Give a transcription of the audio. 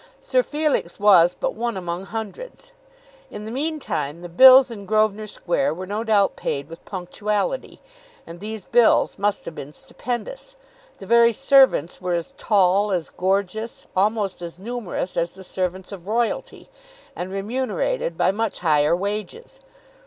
Sir Felix was but one among hundreds. In the meantime the bills in Grosvenor Square were no doubt paid with punctuality, and these bills must have been stupendous. The very servants were as tall, as gorgeous, almost as numerous, as the servants of royalty, and remunerated by much higher wages.